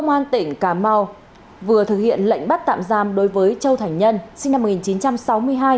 công an tỉnh cà mau vừa thực hiện lệnh bắt tạm giam đối với châu thành nhân sinh năm một nghìn chín trăm sáu mươi hai